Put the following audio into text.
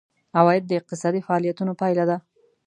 عواید د اقتصادي فعالیتونو پایله ده.